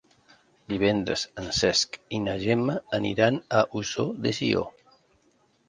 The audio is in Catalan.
Divendres en Cesc i na Gemma aniran a Ossó de Sió.